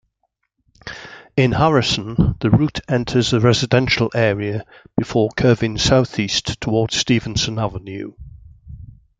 In Harrison, the route enters a residential area before curving southeast toward Stephenson Avenue.